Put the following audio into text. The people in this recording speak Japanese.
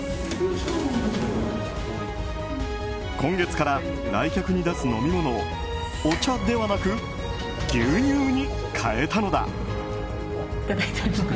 今月から来客に出す飲み物をお茶ではなく、牛乳に変えたのだ。